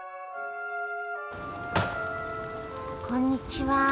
こんにちは。